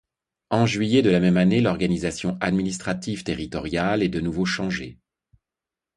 En juillet de la même année l'organisation administrative territoriale est de nouveau changée.